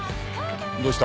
どうした？